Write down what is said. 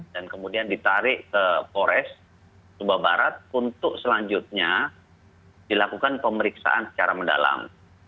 dan kemudian ditarik ke kores tuba barat untuk selanjutnya dilakukan pemeriksaan secara mendalam